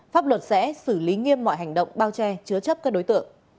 pháp luật sẽ xử lý nghiêm mọi hành động bao che chứa chấp các đối tượng